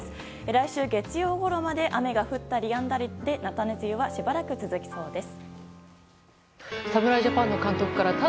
来週月曜ごろまで雨が降ったりやんだりでなたね梅雨はしばらく続きそうです。